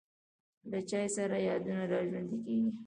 له چای سره یادونه را ژوندی کېږي.